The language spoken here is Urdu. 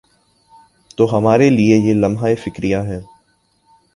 تو ہمارے لئے یہ لمحہ فکریہ ہے۔